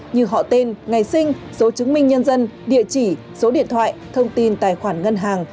như họ tên ngày sinh số chứng minh nhân dân địa chỉ số điện thoại thông tin tài khoản ngân hàng